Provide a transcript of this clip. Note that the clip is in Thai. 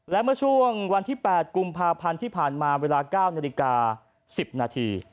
และเมื่อช่วงวันที่๘กุมภาพันธ์ที่ผ่านมาเวลา๙นาฬิกา๑๐นาที